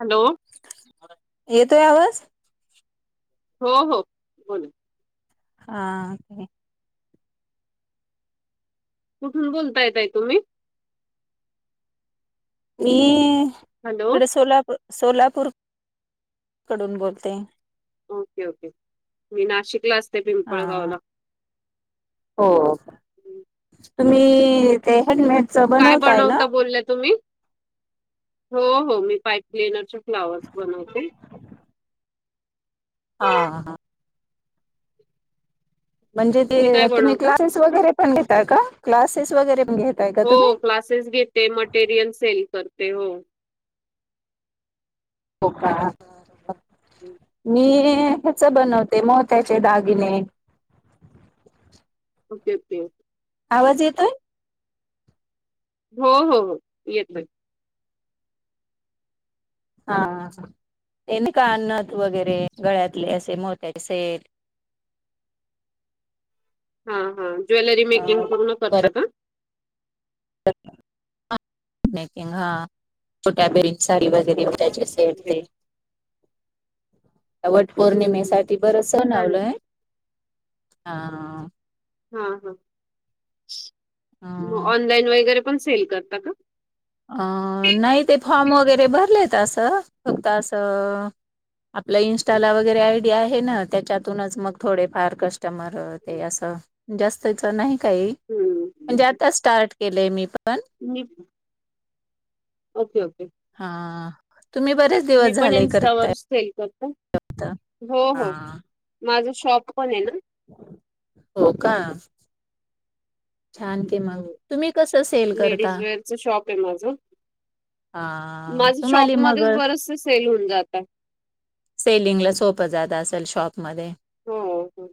Hello! येतोय आवाज? हो हो बोला. हा कुठून बोलताय ताई तुम्ही? मी, हॅलो इकडे सोलापू सोलापूर कडून बोलते. ओके ओके, मी नाशिकला असते हा पिंपळगावला. हो, हं. तुम्ही ते हँडमेडचं काय बनवताय ना? बनवता बोलल्या तुम्ही हो हो, मी पाईप क्लेनरचे फ्लावर्स बनवते. हां हा म्हणजे काय ते तुम्ही बनवता क्लासेस वगैरे पण घता का? क्लासेस वगैरे पण घ हो क्लासेस घेते, मटेरियल सेल करते हो. हो का? हं. मी ह्याच बनव ते मोत्याचे दागिने ओके ओके आवाज येतोय? हो हो येतोय. हा हा, ते नाही का कानात वगैरे गळ्यातले असे मोत्याचे हा हा, ज्वेलरी मेकिंग पूर्ण करता परत का? मेकिंग हा, छोट्या [unintelligible] साडी वगैरे विकायची असेल [unintelligible] अरे ते वा. ह्या हम्म, हम्म. वटपौर्णिमेसाठी बरचस छान आहे. बनवलंय, हा. हा हा, अ मग ऑनलाईन वगैरे पण सेल करता का? अ नाही ते फॉर्म वगैरे भरलेत असं, फक्त असं आपल्या हम्म. इन्स्टाला वगैरे आय् ते आहे ना, त्याच्यातूनच मग थोडे फार कस्टमर ते असं जास्तच नाही काही, हम्म. म्हणजे आताच स्टार्ट केलंय मी पण. मी ओके ओके हा, तुम्ही बरेच दिवस मी पण झाले करताय इन्स्टावर [unintelligible] करता, आता हो हा हो, माझं शॉप पण आहे ना. हो का? छान की मग, तुम्ही कसं सेल करता? लेडीज वेअरच शॉप आहे माझं. हा, माझं तुम्हाली मग शॉपमध्येच बरेचसे सेल होऊन जातात. सेलिंगला सोपं जात असेल शॉपमध्ये? हो हो,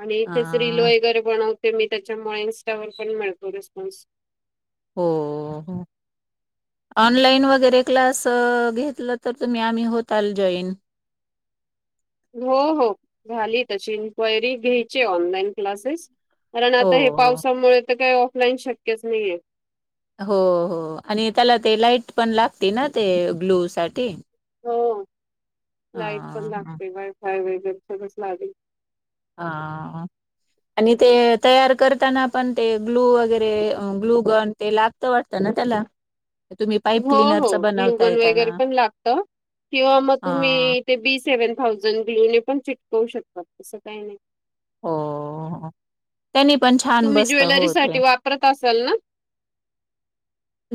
आणि इथेच अ रील वगैरे बनत ते मी त्याच्यामुळे, इन्स्टावर पण मिळतो रिस्पॉन्स. हो हो. ऑनलाईन वगैरे क्लास अ घेतलं तर तुम्ही, आम्ही होताल जॉईन. हो हो झाली तशी इन्क्वायरी घ्यायची ऑनलाईन क्लासेस कारण हो, आता हे हो. पावसामुळे तर काही ऑफलाईन शक्यच नाहीये. हो हो आणि त्याला ते लाईट पण लागते ना ते ग्लू साठी हो लाईट पण हं, लागते वायफाय वगैरे सगळच लागेल. हा आणि ते तयार करताना पण ते ग्लू वगैरे ग्लू गन ते लागत वाटतं ना त्याला तुम्ही पाईप हो हो क्लिनरचं ग्लुगन बनवताय त्याला? वगैरे पण लागत किंवा मग हां. तुम्ही ते बी सेव्हन थावझन गल्यू पण चिटकवू शकतात तसं काय नाय. हो हो त्यांनी पण छान बसत हो ते करत असलं ना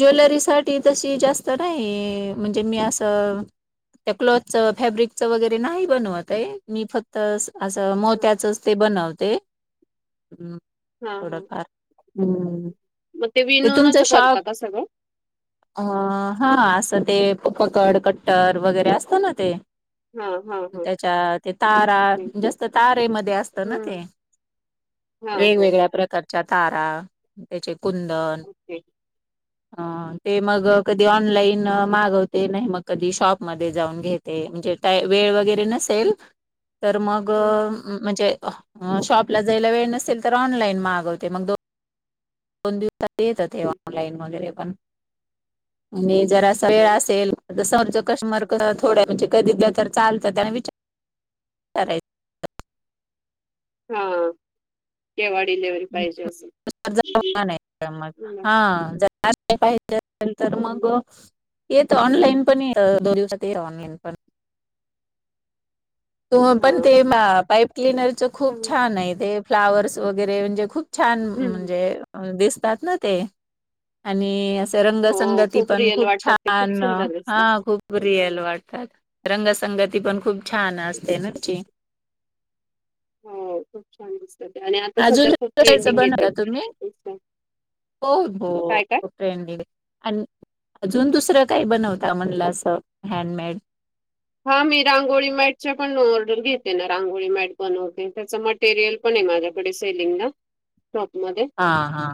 ज्वेलरीसाठी तशी जास्त नाय म्हणजे मी असं त्या क्लॉथचं फॅब्रिकचं वगैरे नाही बनवत आहे मी फक्त असं असं हां मोत्याचचं ते बनवते. हां. हां. थोडफार हे तुमचं शॉप सगंळ अ हा असं ते पककड कट्टर वगैरे असतं ना ते हा हा. त्याच्या ते तारा जास्त तारेमध्ये असतं ना हं. ते हां हां. वेगवेगळ्या प्रकारच्या तारा त्याचे कुंदन ते अ ते मग कधी ऑनलाईन मागवते नाही मग कधी शॉपमध्ये जाऊन घेत ते म्हणजे काय वेळ वगैरे नसेल [inaudible] तर मग अ हं. म्हणजे शॉपला जायला वेळ नसेल तर ऑनलाईन मागवते मग दोन दोन दिवसात येत हं. ऑनलाईन वगैरे पण म्हणजे जरासा वेळ हां हां. असेल जस आमच कस्टमर थोड्या म्हणजे कधी दल्या तर चालतं त्या विचार करायचं हा. तेव्हा डिलेवारी मग हं. हा आता पाहिजे असेल तर मग हं. येत ऑनलाईन पण येत दोन दिवसात ते येत ऑनलाईन पण त पण हां. ते हां. पाईप क्लिनरच खूप चांगलं. छान आहे ते फ्लावर्स वगैरे म्हणजे खूप छान हं. हं. म्हणजे दिसतात ना ते आणि असं हो रंगसंगती पण रिअल खूप वाटतात ते खूप छान सुंदर हा दिसतात. खूप रिअल हं. वाट रंगसंगती पण खूप छान खूप असते छान. नची हो खूप छान असं त ते आणि आता सध्या अजून खूप कशाचं ट्रेंडिंग ये ते बनवता तुम्ही हो हो काय काय ट्रेंडिंग आणि अजून दुसरं काय बनवता म्हणलं असं हँडमेड हा मी रांगोळी मॅटच्या पण ऑर्डर घेते ना रांगोळी मॅट बनवते त्याचं मट टेरियल पण आहे माझ्याकडे सेलिंग ला शॉपमध्ये हा हा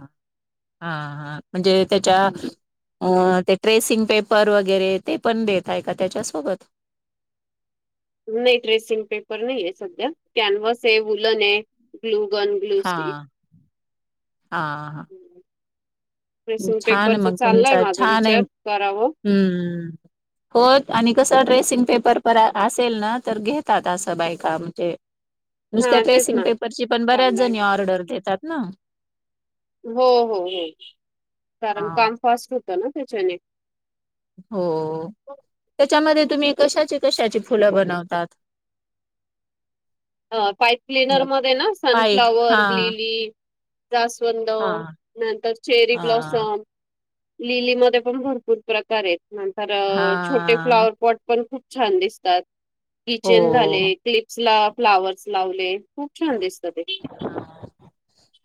हा हा म्हणजे त्याच्या हं. अ ते ट्रेसिंग पेपर वगैरे ते पण देताय का त्याच्यासोबत नाही ट्रेरेसिंग पेपर नाहीय सध्या कॅनव्हसये वूलन ये. ग्लु गन ग्लू हा स्टिक हं ट्रेसिंग छान ये पेपरचा मंग तुमच चाललाय माझा छानये विचार करावं हम्म होत आणि कसं ट्रेसिंग पेपर प असेल ना तर घेतात असं बायका म्हणजे [unintelligible] नुसत्या तेच ट्रेसिंग ना पेपरची पण बऱ्याच चाललाय. जणी ऑर्डर घेतात ना. हो हो हो हा कारण काम फास्ट होतं ना त्याच्याने हो त्याच्यामध्ये तुम्ही कशाची कशाची फुलं बनवतात. अ पाईप क्लीनरमध्ये ना पाय सनफ्लावर हा लिली जास्वंद हा नंतर चेरी हा ब्लॉसम लिलीमध्ये पण भरपूर प्रकार आहेत नंतर छोटे हा फ्लावरपॉट पण खूप छान दिसतात किचेन हो झाले क्लिप्स ला फ्लावर्स लावले खूप छान दिसत ते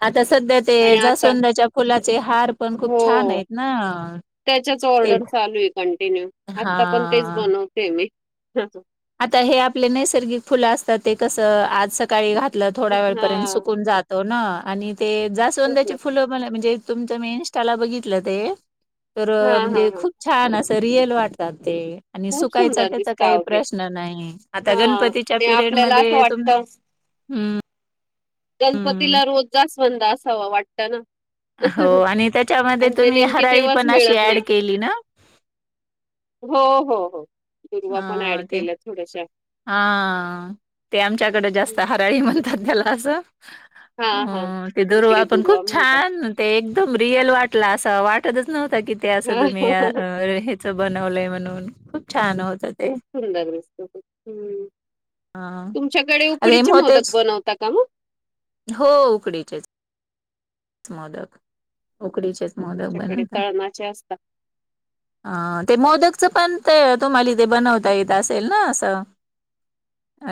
आता सध्या ते आणि आता जासवंदाच्या फुलाचे हार पण हो खूप छान आहेत ना त्याच्याच ते ऑर्डर चालू आहे कंटिन्यू आता पण तेच हा बनवते मी आता हे आपले नैसर्गिक फुलं असतात ते कसं आज सकाळी घातलं थोड्या वेळपर्यंत सुकून जात तो ना आणि ते तेच जास्वंदाची ना फुलं मला म्हणजे तुमच मी इंस्टाला बघितलं ते तर हा हा म्हणजे हा खूप छान असं रिअल वाटतात ते आणि खूप सुकायचा सुंदर त्याचा दिसत काही आहो ते प्रश्न आता हा गणपतीच्या आणि परडी आपल्याला असं वाटत म गणपतीला रोज जास्वंद असावा वाटतं ना हो आणि त्याच्यामध्ये आणि ते तुम्ही नेमके हरळी तेव्हाच पण अशी मिळत नाही ऍड केली ना हो हो हो दुर्वा पण ऍड हा ते केल्या थोड्याशा हा ते आमच्याकडे जास्त हराळी म्हणतात त्याला असं हा हा अ ते दरवा इकडे पण खूप दुर्वा म्हणतात छान ते एकदम रिअल वाटला असं वाटतच नव्हतता की ते असं हा हा तुम्ही हा बनवलंय म्हणून खूप छान होतं ते खूप सुंदर दिसत ह् हा. तुमच्याकडे अरे उकडीचे मोदक मोतेच बनवता का मग हो उकडीचेच मोदक उकडीचे स् मोदक तुमच्याकडे बनवता तळणाचे असतात ह ते मोदकचं पण ते तुम्हाला इ तेे बनवता येतं असेल ना असं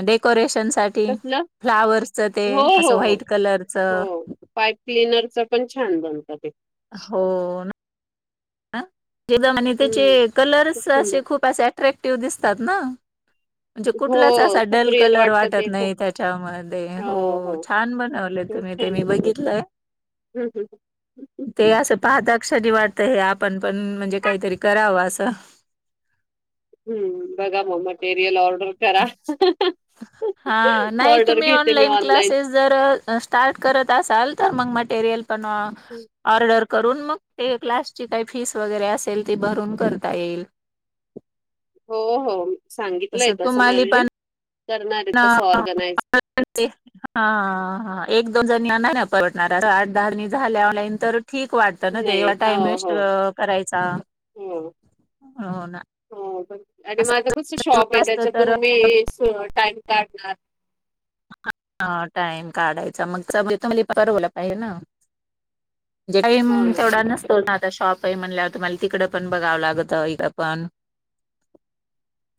डेकोरेशन साठी कसलं फ्लावर्सच ते हो असं हो हो व्हाईट कलरचं हो पाईप क्लनरच पण छान बनत ते हो ना ह ज म्ह त्याचे हम्म खूप कलर्स सुंदर असे खूप असे अट्रॅक्टिव्ह दिसतात ना ह म्हणजे कुठलाच असा डल कलर वाटत खूप नाही त्याच्यामध्ये हो छान बनवले तुम्ही ते मी बघितलंय हम् ते हम असं पाहता कक्षरी वाटत हे आपण पण म्हणजे काहीतरी कराव असं हम्म बघा मग मटेरियल ऑर्डर करा ऑर्डर घेते मी ऑनलाईन म हो, करून मग ते क्लासची काही फीस वगैरे असेल ती भरून करता येईल हो हो सांगितलंय तसं मॅमने करणार आहे तस ऑर्गनाइज हां ते हा एक दोन जणी येणार्या परटणारा आठ दहाणी झाल्यालाईन तर ठीक वाट ना नाही. तेव्हा टाइम हो, वेस्ट हो. करायचा हो, हो ना हो ब आणि असं माझं कस शॉप आहे असत तर त्याच्यातून मी टाइम काढणार हा टाइम काढायचा मग चथ म्वला पाहिजे ना टाइम हो तेवढा ना. नसतो ना आता शॉप काही म्हणलंवरतं मला तिकडडे पण बघावं लागतं इथ पण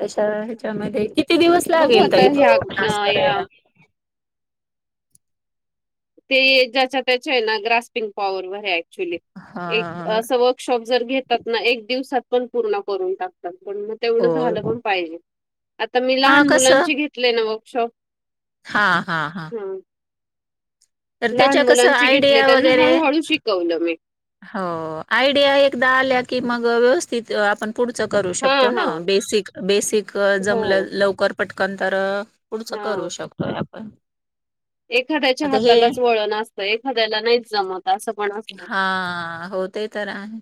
तशा ह्याच्यामध्ये किती दिवस बघू लागेल आता तर इथ ह्या अ, क्लास ह्या करायला ते ज्याच्या त्याच्या आहे ना ग्रास्पिंग पॉवर वैरे एक हा अस वर्कशॉप जर घेतात एक दिवसात पण पूर्ण करून टाकतात पण मग तेवढं हो झालं पण पाहिजे आता मी हा लहान कसं मुलांची घेतले ना वर्कशॉप हा हा हा. हं. तर त्याच्या लहान कसं मुलांची घेतले आयडिया त्यांना वगैरे- हळूहळू शिकवलं मी. हो. आयडिया एकदा आल्या की मग व्यवस्थित आपण- पुढच करू शकतो हां, ना? हां. बेसिक बेसिक हो. जमलं लवकर पटकन तर- पुढचं करू हां. शकतोय आपण. एखाद्याच्या आता हे हातालाच वळण असतं. एखाद्याला नाहीच जमत असं पण असत. हा हो ते तर आहे.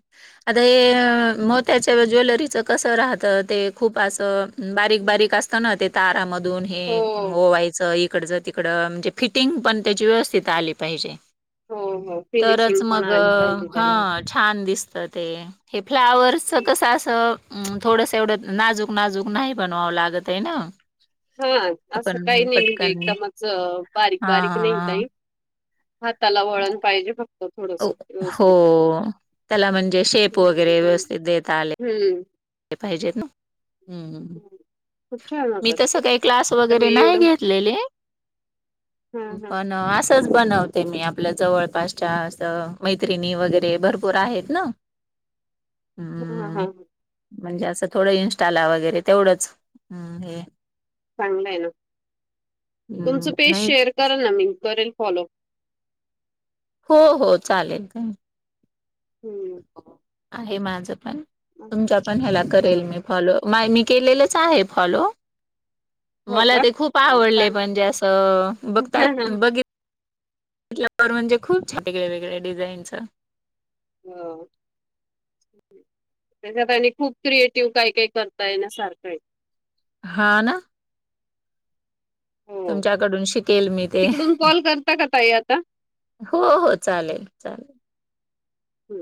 आता हे, मोत्याच्या ज्वेलरीचं कसं राहतं? ते खूप असं- बारीक बारीक असत ना? ते तारामधून हे हो, ओवायचं. एक - कडच तिकड. म्हणजे फिटिंग पण त्याची व्यवस्थित आली पाहिजे. हो, हो. तरच फिनिशिंग पण मग, आली पाहिजे त्याला. हा. छान दिसत ते. हे फ्लावर्स च कसं असं? अम. थोडंस एवढं नाजूक नाजूक नाही बनवावं लागत आहे ना? हा. असं काही आपण नाही म्हणजे पटकन एकदमच बारीक हा बारीक नाही काही. त्याला वळण पाहिजे फक्त थोडस हो व्यवस्थित. देेता आले- हम्म. ते पाहिजेत ना? हम्म. खूप छान मी होतात तस ते. काही क्लास आता मी वगैरे नाही एवढं घेतलेले. हां, हां. पण असं - च बनवते मी. आपल्या जवळपासच्या अस मैत्रिणी वगैरे भरपूर आहेत ना? हां, हम्म. हां. म्हणजे, असं थोडं इंस्टाला वगैरे तेवढंच हे. चांगलं आहे ना. तुमचं हम्म पेज नाही शेअर कराल ना? मी करेल फॉलो. हो हो. चालेल. हम्म. आहे माझं पण. तुमच्या पण ह्याला करेल हां. मी. फॉलो. मा मी केलेलंच आहे फॉलो. हो मला का? ते खूप हां आवडले. चालेल. म्हणजे असं बघता बघित- ल्यावर म्हणजे खूप वेगळे वेगळ्या डिझाईनचं. हम. त्याच्यात आणि खूप क्रिएटिव्ह काही काही करता येण्यासारखं आहे. हा ना? हो. तुमच्याकडून शिकेल मी ते. तिकडून कॉल करता का ताई आता? हो हो. चालेल चालेल. हं.